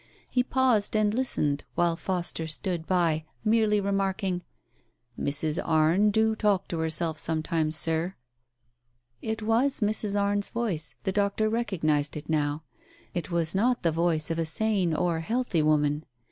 He paused and listened while Foster stood by, merely remarking, "Mrs. Arne do talk to herself some times, Sir." It was Mrs. Arne's voice — the doctor recognized it now. It was not the voice of a sane or healthy woman.